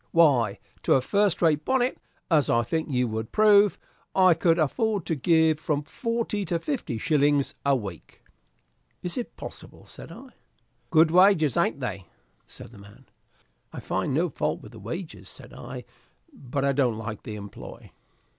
"Why, to a first rate bonnet, as I think you would prove, I could afford to give from forty to fifty shillings a week." "Is it possible?" said I. "Good wages, a'n't they?" said the man.... "I find no fault with the wages," said I, "but I don't like the employ."